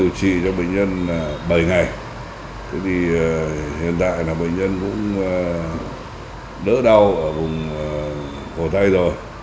điều trị cho bệnh nhân bảy ngày thì hiện tại bệnh nhân cũng đỡ đau ở vùng phổ tay rồi